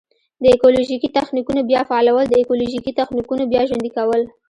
د ایکولوژیکي تخنیکونو بیا فعالول: د ایکولوژیکي تخنیکونو بیا ژوندي کول.